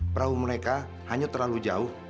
perahu mereka hanya terlalu jauh